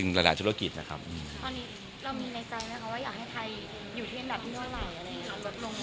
ตอนนี้เรามีในใจอยากให้ไทยอยู่ทางเดียวละเนี่ยเมื่อไหร่